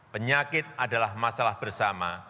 penyakit adalah masalah bersama